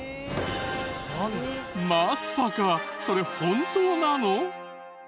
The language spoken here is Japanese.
まさかそれ本当なの？